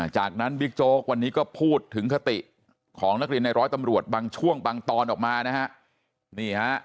จากนั้นบิ๊กโจ๊กวันนี้ก็พูดถึงคติของนักเรียนในร้อยตำรวจบางช่วงบางตอนออกมานะฮะ